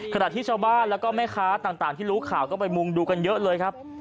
ขณะที่ชาวบ้านแล้วก็แม่ค้าต่างที่รู้ข่าวก็ไปมุงดูกันเยอะเลยครับ